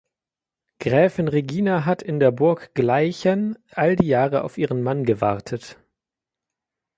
Gräfin Regina hat in der Burg Gleichen all die Jahre auf ihren Mann gewartet.